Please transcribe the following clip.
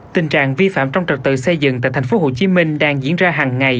tình trạng vi phạm trong trật tự xây dựng tại tp hcm đang diễn ra hàng ngày